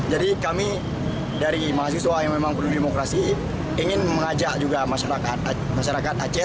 jadi kami dari mahasiswa yang memang penuh demokrasi ingin mengajak juga masyarakat aceh